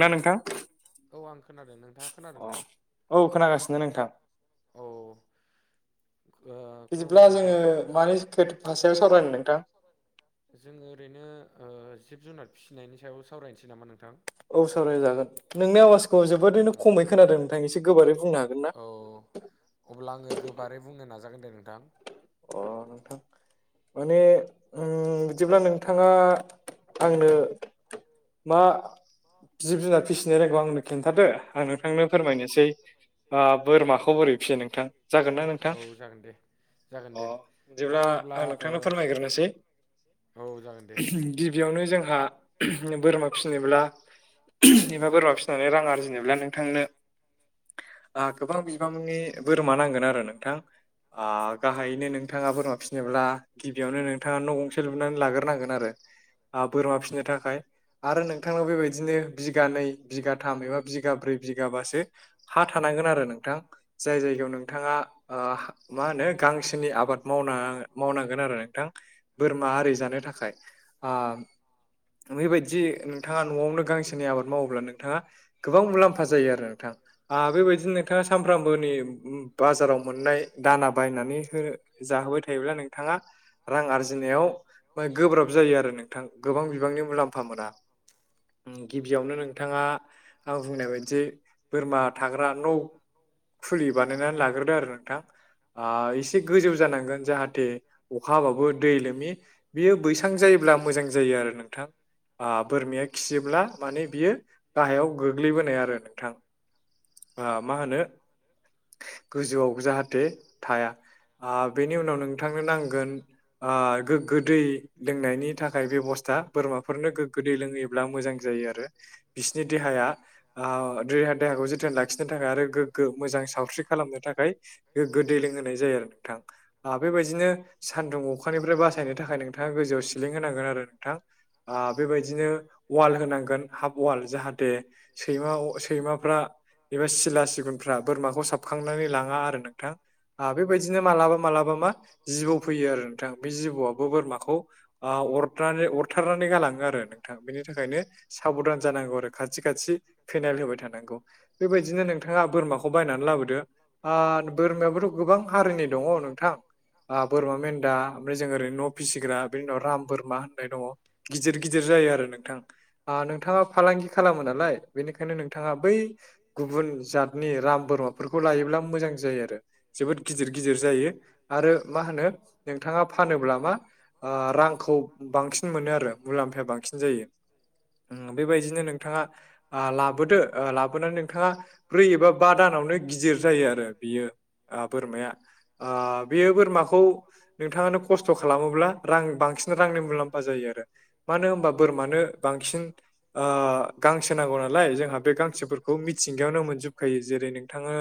ना नोंथां अ औ खोनागासिनो नोंथां। बिदिब्ला जोङो मानि खो भाषायाव सावरायनो नोंथां? जोङो ओरैनो ओ जिब जुनार फिसिनायनि सायाव सावरायनोसै नामा नोंथां? औ सावरायजागोन नोंनि आवाजखौ जोबोरैनो खमै खोनादों नोंथां एसे गोबारै बुंनो हागोन ना? अब्ला आङो गोबारै बुंनो नाजागोन दे नोंथां। अ नोंथां। माने ओम बिदिब्ला नोंथाङा आंनो मा? जिब जुनार फिसिनाय रायखौ आंनो खिन्थादो आं नोंथांनो फोरमायनोसै आ बोरमाखौ बोरै फियो नोंथां जागोन ना नोंथां? जागोन दे। अ बिदिब्ला आं नोंथांनो फोरमायग्रोनोसै ओह गिबियावनो जोंहा बोरमा फिनोब्ला एबा बोरमा फिनानै रां आरजिनोब्ला नोंथांनो गोबां बिबांनि बोरमा नांगोन आरो नोंथां आ गाहायैनो नोंथाङा बोरमा फिनोब्ला गिबियावनो नोंथाङा न' गंसे लुनानै लाग्रोनांगोन आरो। आ बोरमा फिनो थाखाय आरो नोंथांनाव बेबायदिनो बिगानैै बिगाथाम एबा बिगा ब्रै बिगाबासो हा थानांगोन आरो नोंथां जाय जायगायाव नोंथाङा आ मा होनो बांसिनि आबाद मावना मावनांगोन आरो नोंथां बोरमा आरि जानो थाखाय आ बैबायदि नोंथाङा न'आवनो गांसोनि आबाद मावोब्ला नोंथाङा गोबां मुलामफा फा जायो आरो नोंथा आ बेबायदिनो नोंथाङा सानफ्रामनि बाजाराव मोननाय दान नानै हो जाहोबाय थायोब्ला नोंथाङा रां आरजिनायाव म गोब्राब जायो आरो नोंथां गोबां बिबांनि मुलाम्फा मोना। गिबियावनो नोंथाङा आं बुंनाय बायदि बोरमा थाग्रा न' फुलि बानायनानै लाग्रोदो आरो नोंथां। आ एसे गोजौ जानांगोन जाहाथे अखा हाबाबो दै लोमि बियो बैसां जायोब्ला मोजां जायो आरो नोंथां। आ बोरमाया खियोब्ला माने बियो गाहायाव गोग्लैबोनाय आरो नोंथां। आ मा होनो गोजौआव जाहाथे थाया आ बेनि उनाव नोंथांनो नांगोन ओ गोग्गो दै लोंनायनि थाखाय बेबस्था बोरमाफोरनो गोग्गो दै लोंहो योब्ला मोजां जायो आरो बिसिनि देहाया ओ देह्रा देहाखौ जोथोन लाखिनो थाखाय आरो गोग्गो मोजां सावस्रि खालामनो थाखाय गोगो दैे लोंहोनाय जायो आरो नोंथां। ओ बेबायदिनो सान्दुं अखानिफ्राय बासायनो थाखाय नोंथाङा गोजौआव सिलिं होनांगोन आरो नोंथां। आ बेबायदिनो अवाल होनांगोन हाफ अवाल जाहाथे सैमा अ सैमाफ्रा एबा सिला सिगुनफ्रा बोरमाखौ साबखांनानै लाङा आरो नोंथां। आं बेबायदिनो मालाबा मालाबा मा जिबौ फैयो आरो नोंथां। बे जिबौआबो बोरमाखौ आ अरनानै अरथारनानै गालाङो आरो नों थां। बेनि थाखायनो साबधान जानांगौ आरो खाथि खाथि फेनाइल होबाय थानांगौ। बेबायदिनो नोंथाङा बोरमाखौ बायनानै लाबोदो, ओ बोरमायाबो गोबां हारिनि दङ नोंथां। आं बोरमा मेन्दा ओमफ्राय जों ओरैनो न' फिसिग्रा, बेनि उनाव राम बोरमा होननाय दङ। गिदिर गिदिर जायो आरो नोंथां। ओ नोंथाङा फालांगि खालामो नालाय बेनिखायनो नों थाङा बै गुबुन जातनि राम बोरमाफोरखौ लायोब्ला मोजां जायो आरो। जोबोद गिदिर गिदिर जायो आरो मा होनो नोंथाङा फानोब्ला मा ओ रांखौ बांसिन मोनो आरो मुलाम्फाया बांसिन जायो। ओम बेबायदिनो नोंथाङा आ लाबोदो ओ लाबोनानै नोंथाङा ब्रै एबा बा दानावनो गिदिर जायो आरो बियो। ओ बोरमाया ओ बेयो बोरमा खौ नोंथाङानो खस्थ' खालामोब्ला रां बांसिन रांनि मुलाम्फा जायो आरो। मानो होनबा बोरमानो बांसिन ओ गांसो नांगौ नालाय जोंहा बे गांसोफोर खौ मिथिंगायावनो मोनजोबखायो। जेरै नोंथाङा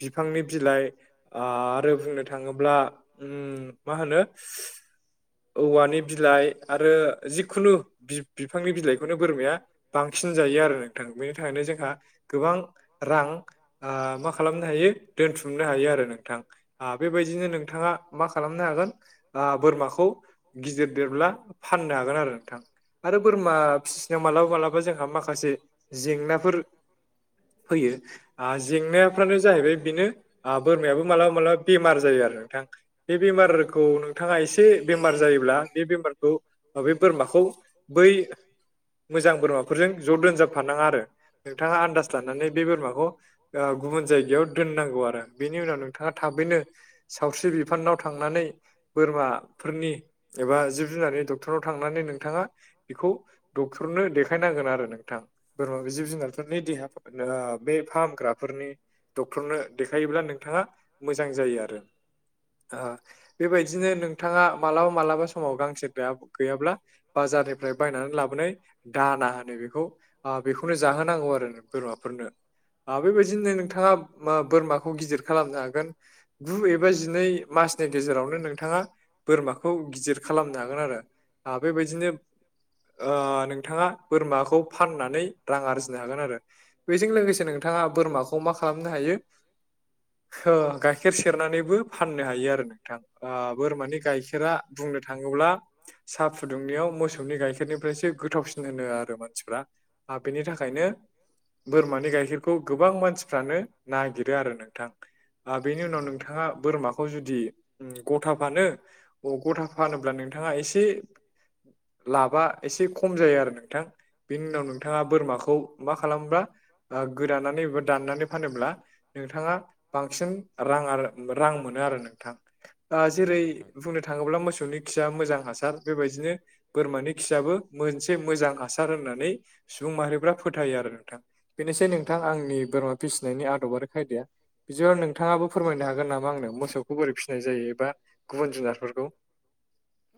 बिफांनि बिलाइ आं आरो बुंनो थाङोब्ला उम मा होनो? औवानि बिलाइ आरो जिखुनु बि-बिफांनि बिलाइखौनो बोरमाया बांसिन जायो आरो नोंथां। बेनि थाखायनो जोंहा गोबां रां आं मा खालामनो हायो दोनथुमनो हायो आरो नोंथां। आ बेबायदिनो नोंथाङा मा खालामनो हागोन आ बोरमाखौ गिदिर देरब्ला फाननो हागोन आरो नोंथां। आरो बोरमा फिसिनायाव मालाबा मालाबा जोंहा माखासे जेंनाफोर फैयो, आ जेंनाफ्रानो जाहैबाय बेनो [unintelligible] मालाबा माबा बेमार जायो आरो नोंथां बे बेमारखौ नों थाङा एसे बेमार जायोब्ला बे बेमारखौ ओ बे बोरमाखौ बै मोजां बोरमाफोरजों ज' दोनजाबफानाङा आरो। नोंथाङा आन्दाज लानानै बे बोरमाखौ ओ गुबुन जायगायाव दोननांगौ आरो। रो बेनि उनाव नोंथाङा थाबैनो सावस्रि बिफानाव थांनानै बोरमाफोरनि एबा जिब जुनारनि डक्टराव थांनानै नोंथाङा बेखौ डक्टरनो देखायनांगोन आरो नोंथां, बोरमा जिब जुनारफोरनि देहा ओ बे फाहामग्राफोरनि डक्टरनो देखायोब्ला नोंथाङा मोजां जायो आरो‌। ओ बेबायदिनो नोंथाङा मालाबा मालाबा समाव गांसो गैया गैयाब्ला बाजारनिफ्राय बायनानै लाबोनाय दाना होनो बेखौ, ओ बेखौनो जाहोनांगौ आरो बोरमाफोरनो। आ बेबायदिनो नोंथाङा मा बोरमाखौ गिदिर खालामनो हागोन। गु एबा जिनै मासनि गेजेरावनो नोंथाङा बोरमाखौ गिदिर खालामनो हागोन आरो आ बेबायदिनो आ नों थाङा बोरमाखौ फाननानै रां आरजिनो हागोन आरो। बेजों लोगोसे नों थाङा बोरमाखौ मा खालामनो हायो [unintelligible] गाइखेर सेरनानैबो फाननो हायो आरो नोंथां बोरमानि गाइखेरा बुंनो थाङोब्ला साहा फुदुंनायाव मोसौ सौनि गाइखेरनिफ्रायसो गोथावसिन होनो आरो मानसिफ्रा आ बेनि थाखायनो बोरमानि गाइखेरखौ गोबां मानसिफ्रानो नागिरो आरो नोंथां। आ बेनि उनाव नोंथाङा बोरमाखौ खौ जुदि गथा फानो अ गथा फानोब्ला नोंथाङा एसे लाबा एसे खम जायो आरो नोंथां बेनि उनाव नोंथाङा बोरमाखौ मा खालामोबा ओ गोदानानै बा दाननानै फानोब्ला नोंथाङा बांसिन रां आरो रां मोनो आरो नोंथां ओ जेरै बुंनो थां थाङोब्ला मोसौनि खिया मोजां हासार बेबायदिनो बोरमानि खियाबो मोनसे मोजां हासार होननानै सुबुं माहारिफ्रा फोथायो आरो नोंथां बेनोसै नोंथां आंनि बोरमा फिसिनायनि आदब आरो खायदाया। बिदिनो नोंथाङाबो फोरमायनो हागोन नामा आंनो मोसौखौ बोरै फिसिनाय जायो एबा गुबुन जुनारफोरखौ?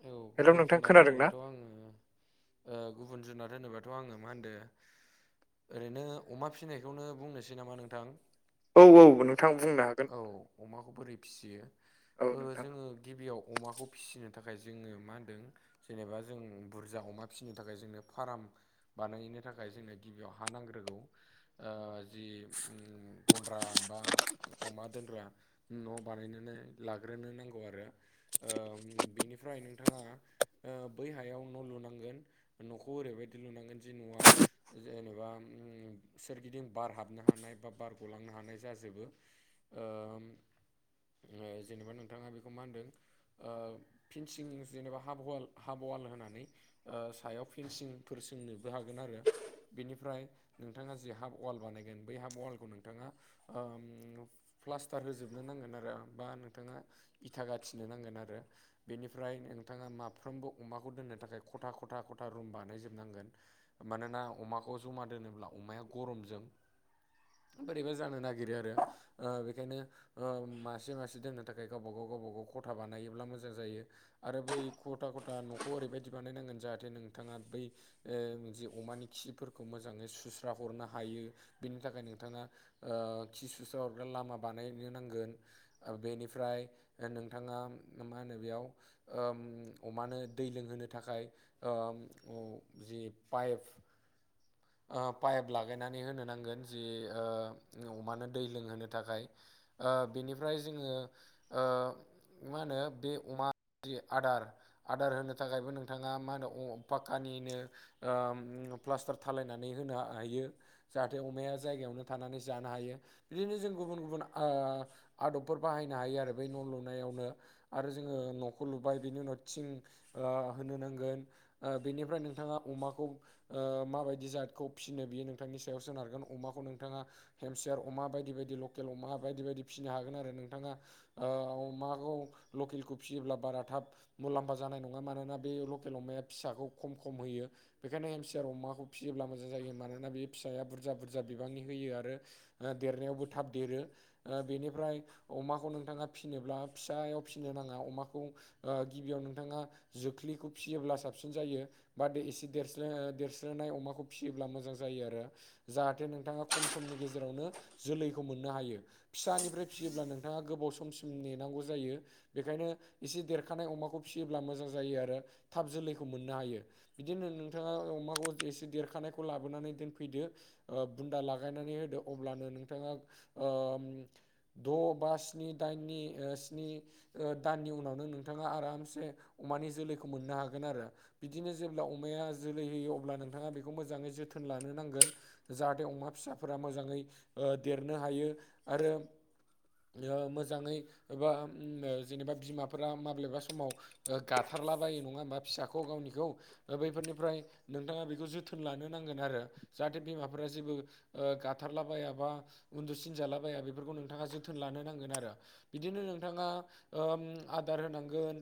औ गुबुन जुनार होनोबाथ' आंङो ओ गुबुन जुनार होनोबाथ' आंङो मा होनदो ओरैनो अमा फिनायखौनो बुंनोसै नामा नोंथां। औ औ नोंथां बु औ अमाखौ बोरै फिसियो ओ जोङो गिबियाव अमाखौ फिसिनो थाखाय जोङो मा होनदों जेनेबा जों बुरजा अमा फिसिनो थाखाय जोंनो फार्म बानायनो थाखाय जोंनो गिबियाव हा नांग्रोगौ ओ जि उम्म गन्द्रा बा अमा दोनग्रा न' बानायनानै लाग्रोनो नांगौ आरो ओ बेनिफ्राय नोंथाङा ओ बै हायाव न' लुनांगोन न'खौ ओरैबायदि लुनांगोन जि न'आ जेनेबा उम्म सोरगिदिं बार हाबनो हानाय बा बार गलांनो हानाय जाजोबो ‌। ओम ओ जेनेबा नोंथाङा बेखौ मा होनदों ओ फिनसिं जेनेबा हाब हवाल हाब वाल होनानै ओ सायाव फेनसिंफोर सोंनोबो हागोन आरो। बेनिफ्राय नोंथाङा जि हाफ वाल बानायगोन बै हाफ वालखौ नोंथाङा ओम प्लास्टार होजोबनो नांगोन आरो बा नोंथाङा इथा गाथिनो नांगोन आरो। बेनिफ्राय नोंथाङा माफ्रोमबो अमाखौ दोननो थाखाय खथा खथा खथा रुम बानायजोबनांगोन। मानोना अमाखौ जमा दोनोब्ला अमाया गरमजों बोरैबा जानो नागिरो आरो। ओ बेखायनो ओ मासे मासे दोननो थाखाय गावबा गाव गावबा गाव खथा बानायोब्ला मोजां जां जायो आरो बै खथा खथा न'खौ ओरैबायदि बानायनांगोन जाहाथे नोंथाङा बै ओ जि अमानि खिफोरखौ मोजाङै सुस्रा हरनो हायो बिनि थाखाय नोंथाङा ओ खिसुसा हरग्रा लामा बानायनो नांगोन। ओ बेनिफ्राय ओ नोंथाङा मा होनो बेयाव ओम अमानो दै लोंहोनो थाखाय ओम अ जि पाइप ओ पाइप लागायनानै होनो नांगोन जि ओ अमानो दै लोंहोनो थाखाय। ओ बिनिफ्राय जोङो ओ मा होनो बे अमा जि आदार आदार होनो थाखायबो नोंथाङा मा होनो पाकानिनो ओम प्लास्टार थालायनानै होनो हायो। जाहाथे अमाया जायगायावनो थानानै जानो हायो बिदिनो जों गुबुन गुबुन ओ आदबफोर बाहायनो हायो आरो बै न' लुनायावनो आरो जोङो न'खौ लुबाय बिनि उनाव थिं ओ होनो नांगोन। ओ बेनिफ्राय नोंथाङा अमाखौ ओ माबायदि दि जातखौ फिसिनो बियो नोंथांनि सायाव सोनारगोन अमाखौ नोंथाङा हेमसियार अमा बायदि बायदि लकेल अमा बायदि बायदि फिसिनो हागोन आरो नोंथाङा ओ माखौ लकेलखौ फिसियोब्ला बारा थाब मुलाम्फा जानाय नङा मानोना बे लकेल अमाया फिसाखौ खम खम होयो बेखायनो एम सिआ अमाखौ फियोब्ला मोजां जायो मानोना बे फिसाया बुरजा बुरजा बिबांनि होयो आरो देरनायावबो थाब देरो बेनिफ्राय अमाखौ नोंथाङा फिनोब्ला फिसायाव फिनो नाङा अमाखौ गिबियाव नोंथाङा जोख्लिखौ फिसियोब्ला साबसिन जायो बा एसे द देरस्लोनाय अमाखौ फिसियोब्ला मोजां जायो आरो जाहाथे नोंथाङा खम समनि गेजेरावनो जोलैखौ मोननो हायो फिसानिफ्राय फिसियोब्ला नोंथाङा गोबाव समसिम नेनांगौ जायो बेखायनो एसे देरखानाय अमाखौ फिसियोब्ला मोजां जायो आरो थाब जोलैखौ मोननो हायो बिदिनो नोंथाङा अमाखौ एसे देरखानायखौ लाबोनानै दोनफैदो बुन्दा लागायनानै होदो अब्लानो नोंथाङा दबा स्नि दाइननि स्नि दाननि उनावनो नोंथाङा आरामसे अमानि जोलैखौ मोननो हागोन आरो बिदिनो जेब्ला अमाया जोलै होयो अब्ला नोंथाङा बेखौ मोजाङै जोथोन लानो नांगोन जाहाथे अमा फिसाफोरा मोजाङै देरनो हायो आरो मोजाङै एबा जेनेबा बिमाफोरा माब्लाबा समाव गाथारलाबायो नङा होमबा फिसाखौ गावनिखौ बैफोरनिफ्राय नोंथाङा बेखौ जोथोन लानो नांगोन आरो जाहाथे बिमाफोरा जेबो गाथारलाबायाबा उन्दुसिन जालाबाया बेफोरखौ नोंथाङा जोथोन लानो नांगोन आरो बिदिनो नोंथाङा आदार होनांगोन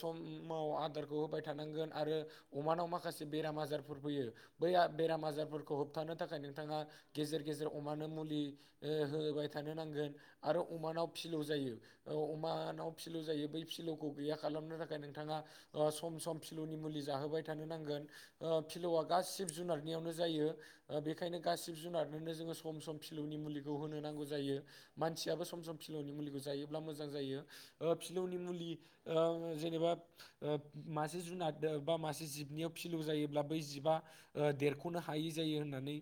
समाव आदारखौ होबाय थानांगोन आरो अमानाव माखासे बेराम आजार फैयो बै बेराम आजारफोरखौ होबथानो थाखाय नोंथाङा गेजेर गेजेर अमानो मुलि होबाय थानो नांगोन आरो अमानाव फिलौ जायो अमानाव फिलजायो बै फिलखौ गैया खालामनो थाखाय नोंथाङा सम सम फिलौनि मुलि जाहोबाय थानो नांगोन फिलौआ गासिब जुनारनियावनो जायो बेखायनो गासिब जुनारनोनो जोङो सम सम फिलौनि मुलिखौ होनो नांगौ जायो। मानसियाबो सम सम फिलौनि मुलिखौ जायोब्ला मोजां जायो फिलौनि मुलि जेनेबा मासे जुनाद बा मासे जिबनियाव फिलौ जायोब्ला बै जिबआ देरखनो हायि जायो होननानै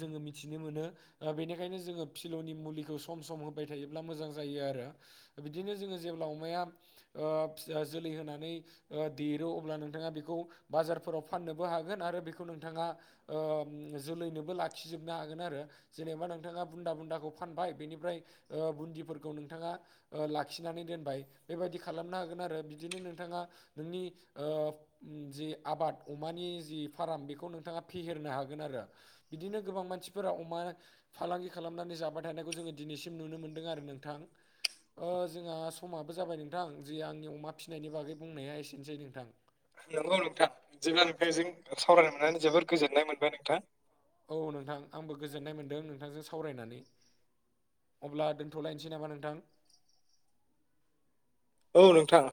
जोङो मिथिनो मोनो बेनिखायनो जोङो फिलौनि मुलिखौ सम सम होबाय थायोब्ला मोजां जायो आरो बिदिनो जोङो जेब्ला अमाया फ जोलै होनानै देरो अब्ला नोंथाङा बेखौ बाजारफोराव फाननो हागोन आरो बेखौ नोंथाङा जोलैनोबो लाखिजोबनो हागोन आरो जेनेबा नोंथाङा बुन्दा बुन्दाखौ फानबाय बेनिफ्राय बुन्दिफोरखौ नोंथाङा लाखिनानै दोनबाय बेबायदि खालामनो हागोन आरो बिदिनो नोंथाङा नोंनि जि आबाद अमानि जि फार्म बेखौ नोंथाङा फेहेरनो हागोन आरो बिदिनो गोबां मानसिफोरा अमा फालांगि खालामनानै जाबाय थानायखौ जोङो दिनैसिम नुनो मोन्दों आरो नोंथां जोंहा समाबो जाबाय नोंथां जे आंनि अमा फिनायनि बागै बुंनाया एसेनोसै नोंथां नंगौ नोंथां जेब्ला नोंफ्रायजों सावरायनो मोननानै जोबोर गोजोननाय मोनबाय नोंथां औ नोंथां आंबो गोजोननाय मोन्दों नोंथांजों सावरायनानै अब्ला दोनथलायनोसै नामा नोंथां औ नोंथां।